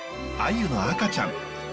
アユの赤ちゃん。